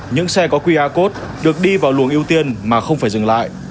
những xe có qr code được đi vào luồng ưu tiên mà không phải dừng lại